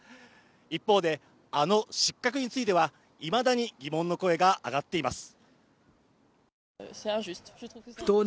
一方で、あの失格についてはいまだに疑問の声があがっています。